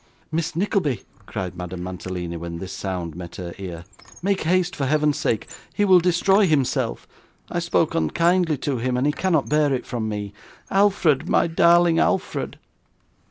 'Miss Nickleby,' cried Madame Mantalini, when this sound met her ear, 'make haste, for Heaven's sake, he will destroy himself! I spoke unkindly to him, and he cannot bear it from me. Alfred, my darling Alfred.